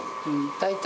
大体。